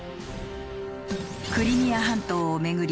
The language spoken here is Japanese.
クリミア半島を巡り